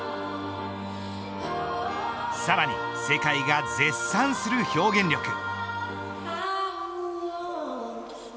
さらに世界が絶賛する表現力。